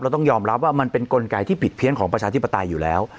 ต้องยอมรับว่ามันเป็นกลไกที่ผิดเพี้ยนของประชาธิปไตยอยู่แล้ว